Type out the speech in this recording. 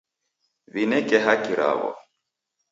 W'ineke haki raw'o.